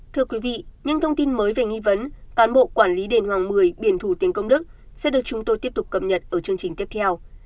thưa quý vị những thông tin mới về nghi vấn cán bộ quản lý đền hoàng mười biển thủ tiền công đức sẽ được chúng tôi tiếp tục cập nhật ở chương trình tiếp theo